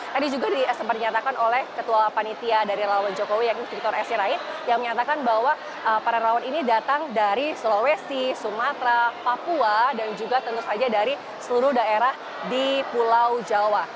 tadi juga sempat dinyatakan oleh ketua panitia dari relawan jokowi yakni victor syrain yang menyatakan bahwa para relawan ini datang dari sulawesi sumatera papua dan juga tentu saja dari seluruh daerah di pulau jawa